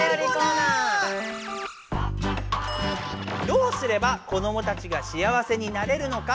どうすれば子どもたちがしあわせになれるのか。